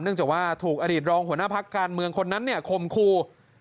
จากว่าถูกอดีตรองหัวหน้าพักการเมืองคนนั้นเนี่ยคมครู